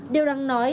điều đang nói